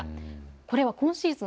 これは今シーズン